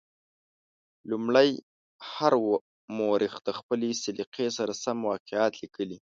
لومړی خو هر مورخ د خپلې سلیقې سره سم واقعات لیکلي.